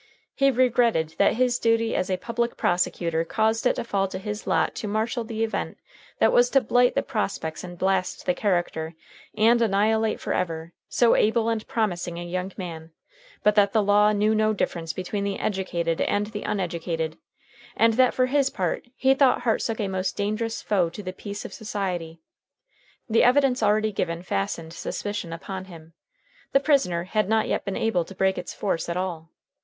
He regretted that his duty as a public prosecutor caused it to fall to his lot to marshal the evidence that was to blight the prospects and blast the character, and annihilate for ever, so able and promising a young man, but that the law knew no difference between the educated and the uneducated, and that for his part he thought Hartsook a most dangerous foe to the peace of society. The evidence already given fastened suspicion upon him. The prisoner had not yet been able to break its force at all.